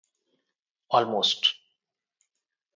Almost.